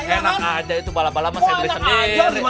enak aja itu balak balak saya beli sendiri